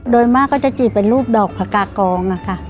โดยมากก็จะจีบเป็นรูปดอกพระกากองนะคะ